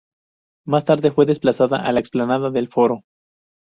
Más tarde fue desplazada a la explanada del Foro.